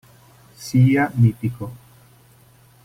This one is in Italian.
Sia mitico.